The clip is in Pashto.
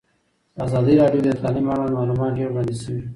په ازادي راډیو کې د تعلیم اړوند معلومات ډېر وړاندې شوي.